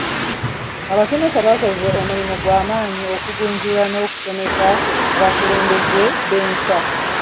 Abasomesa bakoze omulimu gw'amaanyi okugunjula n'okusomesa abakulembeze b'enkya.